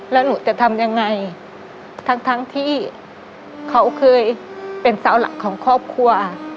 แล้วหนูจะทำยังไงทั้งทั้งที่เขาเคยเป็นเสาหลักของครอบครัว